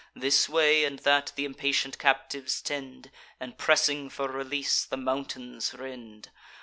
This way and that th' impatient captives tend, And, pressing for release, the mountains rend.